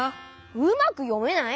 うまくよめない？